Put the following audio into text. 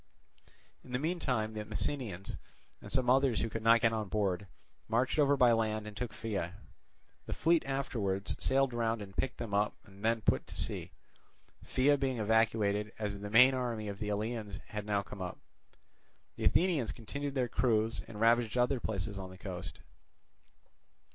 In the meantime the Messenians, and some others who could not get on board, marched over by land and took Pheia. The fleet afterwards sailed round and picked them up and then put to sea; Pheia being evacuated, as the main army of the Eleans had now come up. The Athenians continued their cruise, and ravaged other places on the coast.